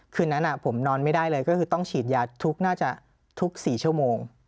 คืนนั้นผมนอนไม่ได้เลยก็คือต้องฉีดยาทุกน่าจะทุก๔ชั่วโมง